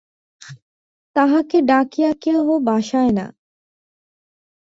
তাহাকে ডাকিয়া কেহ বাসায় না।